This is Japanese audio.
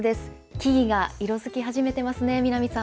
木々が色づき始めていますね、南さん。